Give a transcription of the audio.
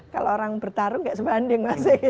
kalau orang bertarung nggak sebanding